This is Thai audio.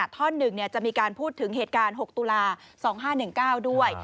ท่อน๑จะมีการพูดถึงเหตุการณ์๖ตุลา๒๕๑๙ด้วย